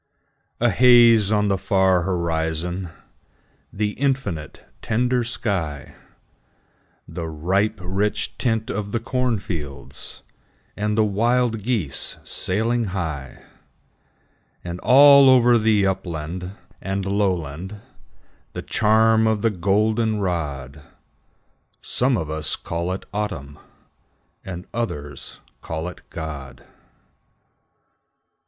A haze on the far horizon, The infinite, tender sky, The ripe, rich tint of the cornfields, And the wild geese sailing high, And all over the upland and lowland The charm of the goldenrod, Some of us call it Autumn, And others call it God.